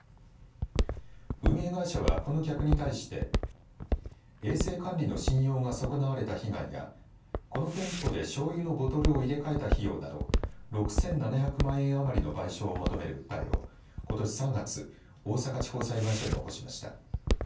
運営会社は、この客に対して衛生管理の信用が損なわれた被害やこの店舗で、しょうゆのボトルを入れ替えた費用など６７００万円あまりの賠償を求める訴えをことし３月、大阪地方裁判所に起こしました。